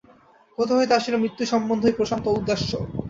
কোথা হইতে আসিল মৃত্যু সম্বন্ধে এই প্রশান্ত ঔদাস্য?